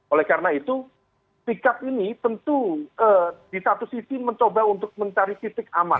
oleh karena itu sikap ini tentu di satu sisi mencoba untuk mencari titik aman